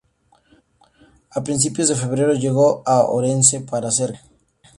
A principios de febrero llegó a Orense para hacer campaña.